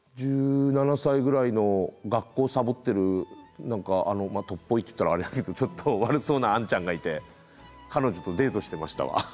１７歳ぐらいの学校サボってる何かとっぽいって言ったらあれだけどちょっと悪そうなあんちゃんがいて彼女とデートしてましたわ。